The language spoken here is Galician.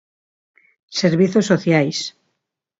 Servizos sociais.